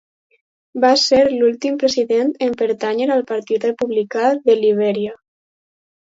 Va ser l'últim president en pertànyer al Partit Republicà de Libèria.